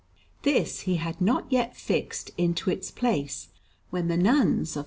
This he had not yet fixed into its place, when the Nuns of S.